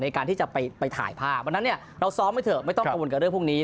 ในการที่จะไปถ่ายภาพวันนั้นเนี่ยเราซ้อมไว้เถอะไม่ต้องกังวลกับเรื่องพวกนี้